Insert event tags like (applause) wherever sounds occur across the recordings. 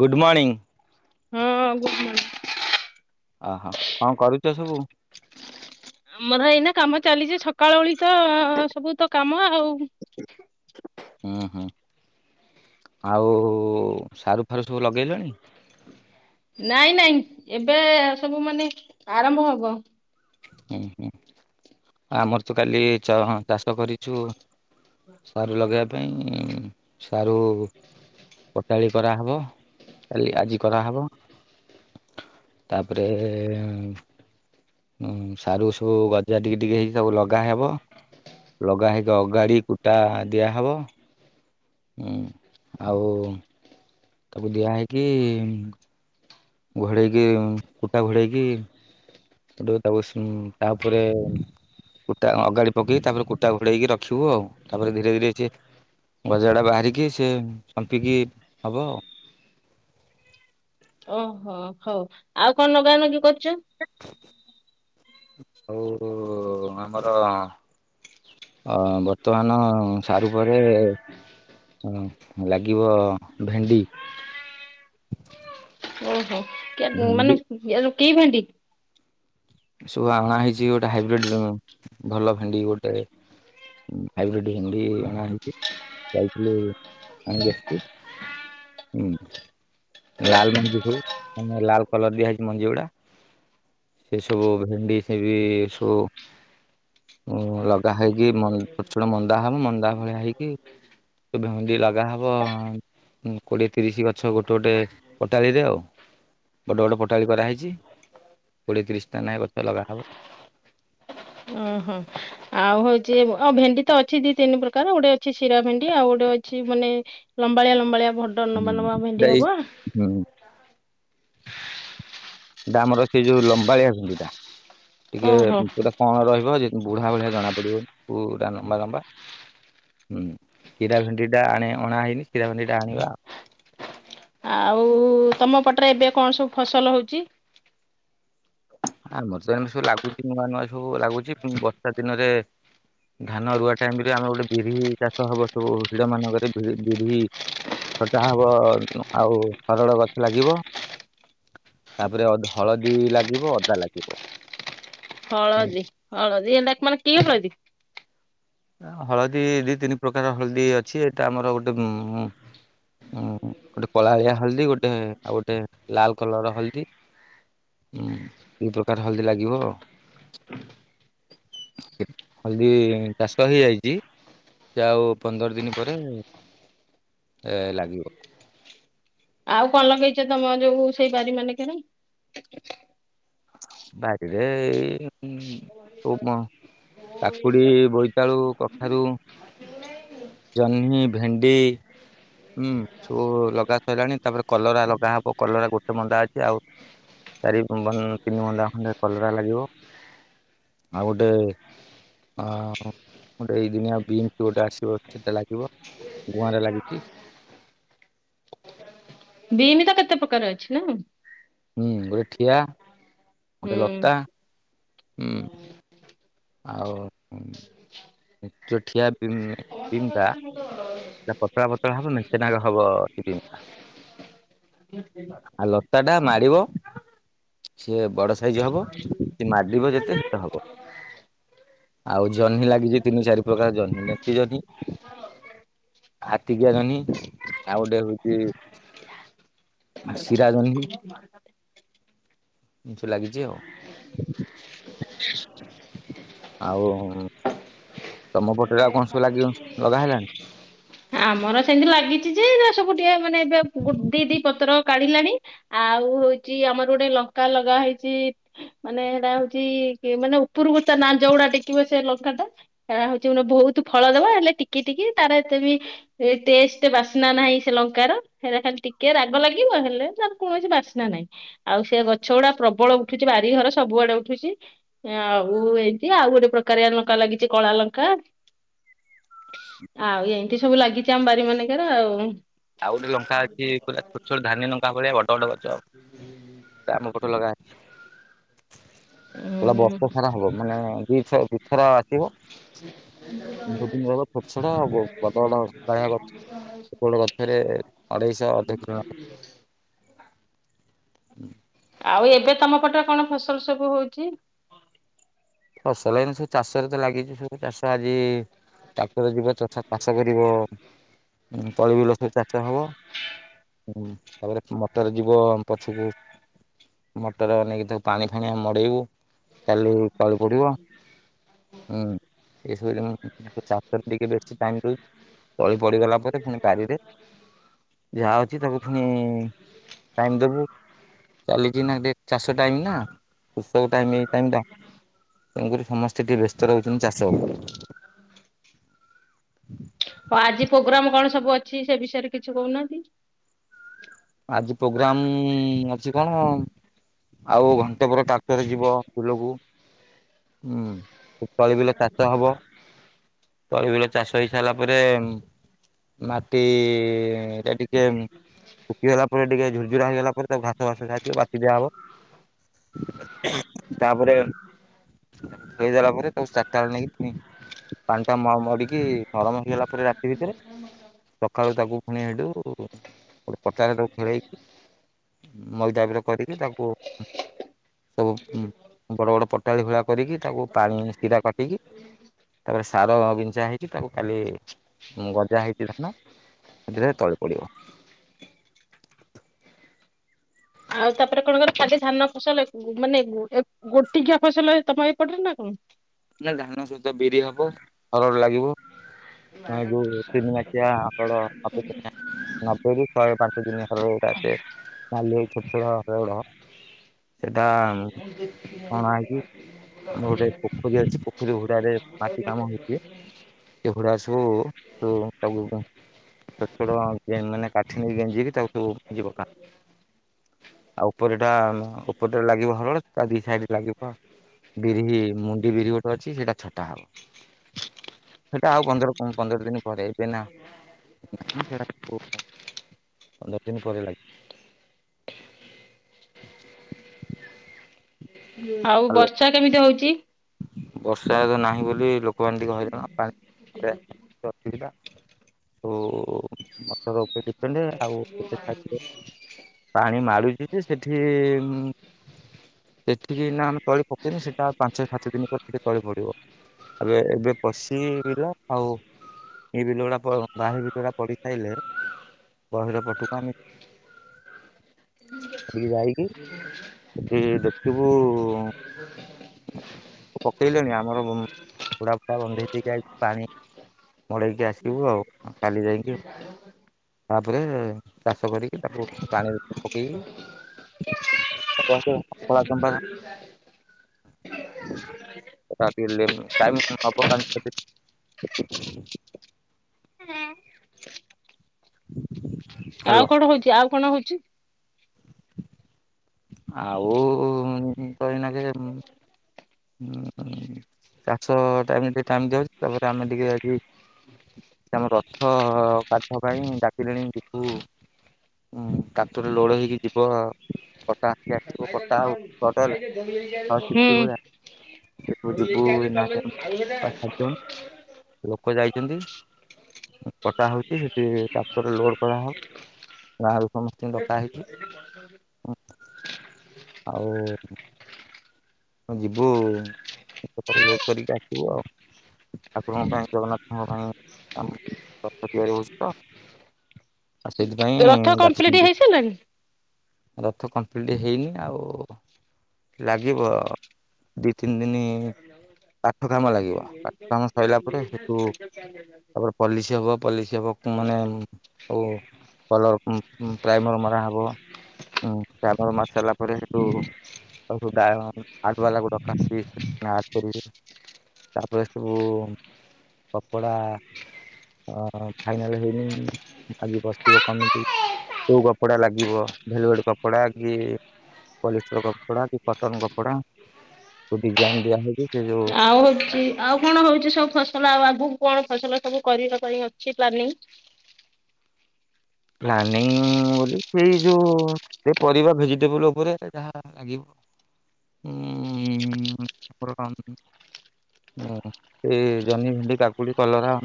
Good morning ହଁ good ମଣି ଓହୋ କଣ କରୁଛ ସବୁ। ଆମର ଏଇନା କାମ ଚାଲିଛି ସକାଳ ଓଳି ତ ସବୁ ତ କାମ ଆଉ। ହୁଁ ହୁଁ ଆଉ ସାରୁ ଫାରୁ ସବୁ ଲଗେଇଲେଣି? ନାଇଁ ନାଇଁ ଏବେ ସବୁ ମାନେ ଆରମ୍ଭ ହବ। ହୁଁ ହୁଁ ଆମର ତ କାଲି ଚାଷ କରିଚୁ। ସାରୁ ଲଗେଇବା ପାଇଁ ସାରୁ ପଟାଳି କରାହେବ କାଲି ଆଜି କରାହେବ। ତାପରେ ଏ ଉଁ ହୁଁ ସାରୁ ସବୁ ଗଜା ଟିକେ ଟିକେ ହେଇକି ସବୁ ଲଗାହେବ। ଲଗା ହେଇକି ଅଗାଡି କୁଟା ଦିଆ ହବ। ହୁଁ ଆଉ ତାକୁ ଦିଆ ହେଇକି ଘୋଡେଇକି କୁଟା ଘୋଡେଇକି ସେଟୁ ତାକୁ ତାଉପରେ କୁଟା ଅଗାଡି ପକେଇି ତାପରେ କୁଟା ଘୋଡେଇକି ରଖିବୁ ଆଉ ତାପରେ ଧୀରେ ଧୀରେ ସିଏ ଗଜାଟା ବାହାରିକି ସେ ସମ୍ପିକି ହବ ଆଉ। ଓହୋ ହଉ ଆଉ କଣ ନଗା ନଗି କରିଚ। ଆଉ ଆମର ଅ ବର୍ତ୍ତମାନ ସାରୁ ପରେ ଏ ହଁ ଲାଗିବ ଭେଣ୍ଡି, ଓହୋ କେ ଭେଣ୍ଡି ମାନେ କି ଭେଣ୍ଡି? ସବୁ ଆଣା ହେଇଛି ଗୋଟେ ହାଇବ୍ରିଡ ଭଲ ଭେଣ୍ଡି ଗୋଟେ ହାଇବ୍ରିଡ ଭେଣ୍ଡି ଅଣାହେଇଚି ଯାଇଥିଲି ଆଣିକି ଆସିଚି। ହୁଁ, ଲାଲ ମଞ୍ଜି ସବୁ ମ ଲାଲ କଲର ଦିଆହାଇଛି ମଞ୍ଜି ଗୁଡା। ସେ ସବୁ ଭେଣ୍ଡି ସେ ବି ସବୁ ଲଗା ହେଇକି ଛୋଟ ଛୋଟ (inaudible) ତ ଭେଣ୍ଡି ଲଗା ହବ ଅଂ ଉଁ କୋଡିଏ ତିରିଶ ଗଛ ଗୋଟେ ଗୋଟେ ପଟାଳିରେ ଆଉ। ବଡ ବଡ ପଟାଳି କରାହେଇଛଚି। କୋଡ଼ିଏ ତିରିଶ ଟା ନାହିଁ ଗଛ ଲଗାହବ। ଓହୋ। ଆଉ ହଉଚି ଆଉ ଭେଣ୍ଡି ତ ଅଛି ଦି ତିନି ପ୍ରକାର ଗୋଟେ ଅଛି ଶିରା ଭେଣ୍ଡି ଆଉ ଗୋଟେ ଅଛି ମାନେ ଲମ୍ବାଳିଆ ଲମ୍ବାଳିଆ ବଡ ନବା ନବା ଭେଣ୍ଡି ହବ। ଏଟା ଆମର ସେ ଯୋଉ ଲମ୍ବାଳିଆ ଭେଣ୍ଡିଟା। ଟିକେ ଓହୋ। ପୁରା କଅଁଳ ରହିବ ଯେ ବୁଢା ଭଳିିଆ ଜଣା ପଡିବନି ପୁରା ଲମ୍ବା ଲମ୍ବା। ହୁଁ ଶିରା ଭେଣ୍ଡି ଟା ଆଣ ଅଣା ହେଇନି ଶିରା ଭେଣ୍ଡି ଟା ଆଣିବା ଆଉ ଆଉ ତମ ପଟରେ ଏବେ କଣ ସବୁ ଫସଲ ହଉଚି? ଆ ଆମର ତ ଏମ ସବୁ ଲାଗୁଛି ନୂଆ ନୂଆ ସବୁ ଲାଗୁଛି ବର୍ଷା ଦିନରେ ଧାନ ରୁଆ ଟାଇମରେ ଆମର ଗୋଟେ ବିରି ଚାଷ ହବ ସବୁ ହିଡ ମାନଙ୍କରେ ବିରି ସଟା ହବ ଆଉ ସରଳ ଗଛ ଲାଗିବ। ତାପରେ ହଳଦୀ ଲାଗିବ ଅଦା ଲାଗିବ। ହଳଦୀ ହଳଦୀ ଏଡାକ ମାନେ କି ହଳଦି। ହଳଦୀ ଦି ତିନି ପ୍ରକାର ହଳଦୀ ଅଛି ଏଟା ଆମର ଗୋଟେ ଉ ହଁ ଗୋଟେ କଳାଳିଆ ହଳଦୀ, ଗୋଟେ ଆଉ ଗୋଟେ ଲାଲ କଲର ର ହଳଦୀ ହୁଁ ଦି ପ୍ରକାର ହଲଦୀ ଲାଗିବ ଆଉ। ହଲଦି ଚାଷ ହେଇଯାଇଛି, ସେ ଆଉ ପନ୍ଦର ଦିନ ପରେ ଏ ଲାଗିବ। ଆଉ କଣ ଲଗେଇଛ, ତମ ଯୋଉ ସେଇ ବାରି ମାନେ କରେ? ବାରିରେ ଏଇ ସମ କାକୁଡି, ବୋଇତାଳୁ, କଖାରୁ ଜହ୍ନି, ଭେଣ୍ଡି। ହୁଁ ସବୁ ଲଗା ସରିଲାଣି, ତାପରେ କଲରା ଲଗା ହବ, କଲରା ଗୋଟେ ମନ୍ଦା ଅଛି ଆଉ ଚାରି ତିନି ବନ୍ଦା ଖଣ୍ଡେ କଲରା ଲାଗିବ ଆଉ ଗୋଟେ ହ ଗୋଟେ ଏଇ ଦିନିଆ, ବିନ୍ସ ଗୋଟେ ଆସିବ ସେଟା ଲାଗିବ। ଗୁଆଁରେ ଲାଗିଛି। ବିନ ତ କେତେ ପ୍ରକାର ଅଛି ନା? ହୁଁ ଗୋଟେ ଠିଆ, ଗୋଟେ ହୁଁ। ଲତା ହୁଁ। ଆଉ ଯୋଉ ଠିଆ ବିନ ଟା ସେ ପତଳା ପତଳା ହବ, ମେଞ୍ଚେନାକ ହବ। ଆଉ ଲତା ଟା ମାଡ଼ିବ ସିଏ ବଡ ସାଇଜ ହବ, ମାଡିବ ଯେତେ ସେତେ ହବ। ଆଉ ଜହ୍ନି ଲାଗିଛି, ତିନି ଚାରି ପ୍ରକାର ଜହ୍ନି ନେକଟି ଜହ୍ନି। ହାତୀକିଆ ଜନ୍ହି, ଆଉ ଗୋଟେ ହଉଛି ଆ ସିରା ଜନ୍ହିଁ ଏମିତି ସବୁ ଲାଗିଛି ଆଉ। ଆଉ ତମ ପଟ? ଆମର ସେମିତି ଲାଗିଛି ଯେ ସବୁ ସେମାନେ ଏବେ ଗୋ ଦି ଦି ପତ୍ର କାଢିଲାଣି ଆଉ ହଉଛି ଆମର ଗୋଟେ ଲଙ୍କା ଲଗା ହେଇଛି ମାନେ ସେଟା ହଉଛି ମାନେ ଉପରକୁ, ତା ନା ଯଉଡା ଟେକିବ ସେ ଲଙ୍କା ଟା ହଉଛି ମାନେ ବହୁତ ତ ଫଳ ଦବା ହେଲେ ଟିକି ଟିକି, ତାର ଏତେ ବି ଟେଷ୍ଟ ବାସ୍ନା ନାହିଁ, ସେ ଲଙ୍କାର ହେ ଟିକେ ରାଗ ଲାଗିବ, ହେଲେ ତାର କୌଣସି ବାସ୍ନା ନାହିଁ, ଆଉ ସେ ଗଛ ଗୁଡା ପ୍ରବଳ ଉଠୁଛି ବାରିଘର ସବୁଆଡେ ଉଠୁଛି, ଆଉ ଏଇତି ଆଉ ଗୋଟେ ପ୍ରକାରଆ ଲଙ୍କା ଲାଗିଛି, କଳା ଲଙ୍କା ଆଉ ଏମିତି ସବୁ ଲାଗିଛି ଆମ ବାରି ମାନଙ୍କର ଆଉ ଆଉ ଗୋଟେ ଲଙ୍କା ଅଛି ପୁରା ଛୋଟ ଛୋଟ ଧାନୀ ଲଙ୍କା ଭଳିଆ, ବଡ ବଡ ଗଛ ଆଉ ଆମ ପଟ ଲଗା ହେଲା ଉଁ ବର୍ଷ ସାରା ହବ, ମାନେ ଦି ଥ ଦୁଇଥର ଆସିବ ବହୁତ ଦିନ ର ଛୋଟ ଛୋଟ କଥା ବଟ ଖବାଛ (unintelligible) ରେ ଅଢେଇଶହ ଅଧ ଆଉ ଏବେ ତମ ପଟ କଣ ଫସଲ ସବୁ ହଉଛି? ଫସଲ ଏଇନି ସବୁ, ଚାଷରେ ତ ଲାଗିଛି, ସବୁ ଚାଷ ଆଜି ଟାକୁର ଯିବା ତଥା ଚାଷ କରିବ, ତଳି ବିଲ ସବୁ ଚଞ୍ଚା ହବ। ହୁଁ, ତାପରେ ମଟର ଯିବ ପଛକୁ ମଟର ନେଇକି ତାକୁ ପାଣି ଫାଣି ଆମେ ମଡେଇବୁ କାଲି। ପାଳୁ ପଡିବ ହୁଁ ଏସବୁ ଜିନ ଚାଷ ଟିକେ ବେଶୀ ଟାଇମ ରହୁଛି, ତଳି ପଡିଗଲା ପରେ ପୁଣି ବାରିରେ। ଯାହା ଅଛି ତାକୁ ପୁଣି, ଟାଇମ ଦବୁ ଚାଲିଛି ନା, ଚାଷ ଟାଇମ ନା, କୃଷକ ଟାଇ ଏଇ ଟାଇମ ଟା ତେଣୁକରି, ସମସ୍ତେ ଟିକେ ବ୍ୟସ୍ତ ରହୁଛନ୍ତି, ଚାଷରେ ହଉ ଆଜି ପ୍ରୋଗ୍ରାମ କଣ ସବୁ ଅଛି, ସେ ବିଷୟରେ କିଛି କହୁନାହାନ୍ତି? ଆଜି ପ୍ରୋଗ୍ରାମ ଅଛି କଣ, ଆଉ ଘଣ୍ଟା ଟିକେ ପରେ ଟ୍ରାକଟର ଯିବ ବୁଲକୁ ହୁଁ, ତଳି ବିଲ ଚାଷ ହବ। ତଳିବଳ ଚାଷ ହେଇ ସାରିଲା ପରେ ମାଟି ଏଇା ଟିକେ ଶୁଖିଗଲା ପରେ ଟିକେ ଝୁରଝୁର ହେଇଗଲା ପରେ ତାକୁ ଘାସ ଫାସ ଖାଇଥିବ ବାତି ଦିଆ ହବ। ତାପରେ ହେଇଦଲା ପରେ ତାକୁ ଚାରିଟା ବେଳେ ନେଇକି ପାଣି ଟା ମଡିକି ନରମ ହେଇଗଲା ପରେ ରାତି ଭିତରେ ସକାଳୁ ତାକୁ ପଣି ହେଡୁ ଗୋଟେ ପଚାରେ ଟାକୁ ଖେଳେଇକି ମଇତାଇ ପିରଦାାବିର କରିକି ତାକୁ ସବୁ ବଡ ବଡ ପଟାଳି ଭଳା କରିକି ତାକୁ ପାଣି କିରା କଟିକି ତାପରେ ସାର ଯାହେଇଚି ତାକୁ କାଲି ଗଜା ଧାନ ନ। ସେଥିରେ ତଳେ ପଡିବ। ଆଉ ତାପରେ କଣ କ ଖାଲି ଧାନ ଫସଲ ମାନେ ଗୋଟିକିଆ ଫସଲ ତମ ଏଇପଟରେ ନା କଣ? ନା ଧାନ ସହିତ ବିରି ହବ ହରଡ ଲାଗିବ। ବାା ଯୋଉ ତିନି ମାଠିଆ ହରଡ଼ (unintelligible) ନବେରୁ ଶହେ ପାଞ୍ଚ ଦିନ ହରଟା ନଲି ଛୋଟ ଛୋଟ ହରଡ। ଟା କଣା ହେଇକଛି ଆମର ଗୋଟେ ପୋଖରୀ ଅଛି ପୋଖରୀ ଘୁଡାରେ ମାଟି ସେ (unintelligible) ଏଡାଗୁଡା ତାକୁ ଛୋଟ ଛୋଟ ମାନେ କାଠି ନେଇକ ଗେଞ୍ଜିି ତାକୁ ହ ଯିବାକାର। ଆଉ ଉପରେ ଟା ଉପରେଟା ଲାଗିବ ହରଳ ତା ଦି ସାଇଡ ଲାଗିବ ଆଉ। ବିରି ମୁଣ୍ଡି ବିରି ଗୋଟେ ଅଛି ସେଇଟା ଛଟା ହବ ସେଇଟା ଆଉ ପନ୍ଦର କ ପନ୍ଦର ଦିନ ପରେ ହେଇବେ ନା ସୋ ପନ୍ଦର ଦିନ ପରେ ଲାଜିବା। ଆଉ ବର୍ଷା କେମିତି ହଉଛି? ବର୍ଷା ନାହିଁ ବୋଲି ଲୋକମାନେ ଟିକେ ହଇିଲ ପାଣି ଅସୁବିଧା। ତ ମସର ଉପରେ ଡିପେଣ୍ଡ ଆଉ। ପାଣି ମାଳୁ ସେଠି ଉ ସେଠିକି ନା ଆମେ ତଳି ପକେଇନୁ ସେଟା ପା ଚାରି ପାଞ୍ଚଦିନ ପରେ ତଳି ପଡିବ ଏବେ ଏବେ ପସି ପା ଆଉ ଏ ବିିଲ ଗୁଡାକ ପାଣି ପ ବା ସେ ବିାଗୁଡା ପଢସାରିଲେ, ଗହିର ପଟୁକୁଆମେ। ଏଠୀ କି ଯାଇକି ହେଟୀ ଦେଖିବୁ। ପକେଇଲେଣି ଆମର ପୁଡା ଫୁା ବନ୍ଧେଇ ଦେଇକି ଆ ପାଣି ମଡେଇକି ଆସିବୁ ଆଉ କାଲି ଯାଇକି। ତାପରେ ଚାଷ କରିକି ତାକୁ ପାଣିରେ ପକେଇକି (unintelligible) କଳା ଚପମ୍ପା (inaudible) (unintelligible) ଆଉ ହ୍ୟାଲୋ କଣ ହୋଉଚି ଆଉ କଣ ହୋଉଚି? ଆଉ କହିନା କେ ହଁ ଚାଷ ଟାଇମରେ ଟିକେ ଟାଇମ ଦିଆ ହୋଉଚି ତାପରେ ଆମେ ଟିକେ ଆଜି ସେ ଆମ ରଥ କାଠ ପାଇଁ ଡାକିଲେଣି ଯିବୁ ହୁଁ କାତରେ ଲୋଡ ହେଇକି ଯିବ କଟା ହେଇକି ଆସିବ କଟା ଆଉ କଟାହେଲେ ହୁଁ (unintelligible) ଭଳିଆ ସେଠୁ ଯିବୁ ଏଇନା ପାଁ ସାତ ଜଣ ଲୋକ ଯାଇଚନ୍ତି। କଟା ହୋଉଚି ସେଠି ଟ୍ରାକ୍ଟରରେ ଲୋଡ କରାହବ ଗାଁରୁ ସମସ୍ତ ଡକା ହେଇଛି ହଁ ଆଉ ହଁ ଯିବୁ ଲୋଡ କରିକି ଆସିବୁ ଆଉ। ଠାକୁରଙ୍କ ପାଇଁ ଜଗନ୍ନାଥଙ୍କ ପାଇଁ ଆମ ରଥ ତିଆରି ହୋଉଚି ତ ଆଉ ସେଇଥିପାଇଁ ରଥ କମ୍ପ୍ଲିଟ ଡାକିଛନ୍ତି ହେଇସାରିଲାଣି? ରଥ କମ୍ପ୍ଲିଟ ହେଇନି ଆଉ ଲାଗିବ ଅ ଦି ତିନି ଦିନ କାଠ କାମ ଲାଗିବ ପାଠ କାମ ସଇଲା ପରେ ସେଠୁ ତାପରେ ପଲିସି ହବ ପଲିସି ହବ କୁ ମାନେ ଉ କୋ କଲର୍ ଉଁ ଉଁ ପ୍ରାଇମର ମରା ହବ ଉଁ ପ୍ରାଇମର ମାରି ସରିଲା ପରେ ହେଠୁୁ ଗାୟ ହ ଆର୍ଟ ବାଲା କୁ ଡକା ହେଇନି ପୁଣି ଆର୍ଟ କରିବେ ତାପରେ ସବୁ କପଡା ଅଁ ଅଁ ଫାଇନାଲ ହେଇନି ଆଜି ବସିିବ କମିଟି କୋଉ କପଡା ଲାଗିବ ଭେଲବେଟ୍ କପଡା କି ପଲିଷ୍ଟର କପଡା କି କଟନ କପ ପଡା ସବୁ ଡିଜାଇନ ଦିଆହେଇଛି ଆଉ ହଉଛି ଆଉ କଣ ହଉଛି ସବୁ ଫସଲ ଆଉ ଆ ମୁ କଣ ଫସଲ ସବୁ କରିବା ପାଇଁ ଅଛି ପ୍ଲାନିଂ ପ୍ଲାନିଂ ବୋଲି ସେଇ ଯୋଉ ସେ ପରିବା ଭେଜିଟେବୁଲ ଉପରେ ଯାହା ଲାଗିବ ହୁଁ (unintelligible) ହୁଁ ସେଇ ଜହ୍ନି ଭେଣ୍ଡି କାକୁଡି କଲରା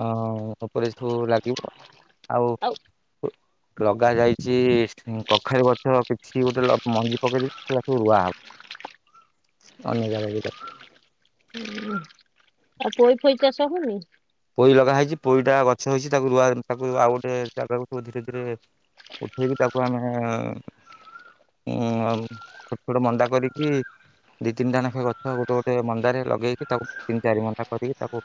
ହଁ ଏପରି ସବୁ ଲାଗିବ ଆଉ ଓ ଲଗା ଯାଇଛି ସି କଖାରୁ ଗଛ କିଛି ଗୋଟେ ଲକ ମଞ୍ଜି ପକେଇଦେଇଚି ସେରା ସବୁ ରୁଆ ହବ। ଅନ୍ୟ ଜାଗା (unintelligible) ଆଉ ପୋଇ ଫୋଇ ଚାଷ ହଉନି ପୋଇ ଲଗା ହେଇଛି ପୋଇଟା ଗଛ ହେଇଛି ତାକୁ ରୁଆ ତାକୁ ଆଉ ଗୋଟେ ଜାଗାକୁ ସବୁ ଧୀରେ ଧୀରେ ଉଠେଇକି ତାକୁ ଆମେ ଏ ଉଁ ଆଉ ଛୋଟ ଛୋଟ ମଣ୍ଡା କରିକି ଦି ତିନିଟା ନାଖେ ଗଛ ଗୋଟେ ଗୋଟେ ମଣ୍ଡାରେ ଲଗେଇକି ତାକୁ ତିନି ଚାରି ମଣ୍ଡା କରିକି ତାକୁ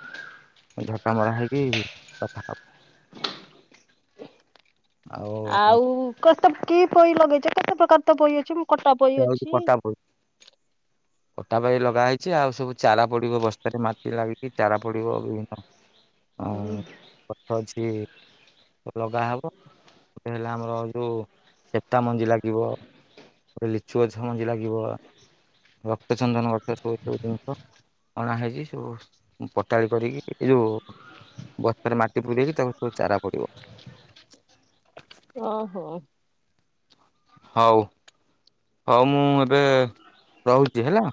ଝଟା ମରା ହେଇକି ତା (unintelligible) ଆଉ କତେପ କି ପୋଇ ଲଗେଇଛ କେତେ ପ୍ରକାର ତ ପୋଇ ଅଛି କଟା ପୋଇ ହଉଛି ଅଛି କଟା ପଡି କଟା ପୋଇ ଲଗା ହେଇଛି ଆଉ ସବୁ ଚାରା ପଡିବ ବସ୍ତାରେ ମାଟି ଲାଗିକି ଚାରା ପଡିବ (unintelligible) ହଁ (unintelligible) ଅଛି ଅଲଗା ହବ ଗୋଟେ ହେଲା ଆମର ଯୋଉ ସେପଟା ମଞ୍ଜି ଲାଗିବ। ଗୋଟେ ଲିଚୁ ଗଛ ମଞ୍ଜି ଲାଗିବ ରକ୍ତ ଚନ୍ଦନ ଗଛ ସବୁ ସବୁ ଜିନିଷ ଅଣା ହେଇଛି ସବୁ ପଟାଳି କରିକି ଏଇ ଯୋଉ ବସ୍ତାରେ ମାଟି ପୁରେଇକି ତାକୁ ସବୁ ଚାରା ପଡିବ। ଓହୋ। ହଉ ହଉ ମୁଁ ଏବେ ରହୁଛି ହେଲା।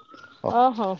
ଅ ହଉ।